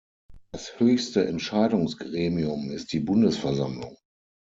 Das höchste Entscheidungsgremium ist die Bundesversammlung.